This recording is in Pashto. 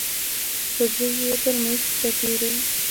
پرزې يې پر مېز پرتې وې.